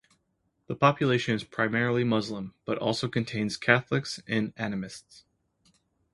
The population is primarily Muslim, but also contains Catholics and animists.